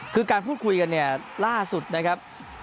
คือการพูดคุยกันเนี่ยล่าสุดนะครับ